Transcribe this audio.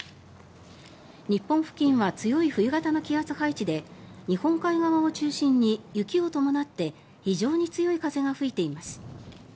日本付近は強い冬型の気圧配置で日本海側を中心に雪を伴って非常に強い風が吹いています。